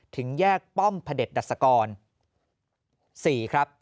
ถึงแยกป้อมพระเด็จดัสกร